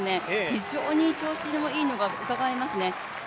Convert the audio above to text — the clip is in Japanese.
非常に調子がいいのがうかがえますね。